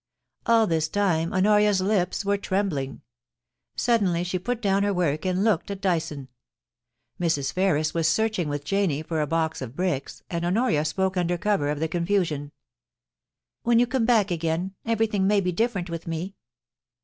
All this time Honoria's lips were trembling. Suddenly she put down her work, and looked at Dyson. Mrs. Ferris was searching with Janie for a box of bricks, and Honoria spoke under cover of the confusion. * When you come back again everything may be different with me.'